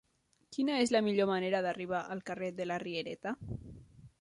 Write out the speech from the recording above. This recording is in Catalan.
Quina és la millor manera d'arribar al carrer de la Riereta?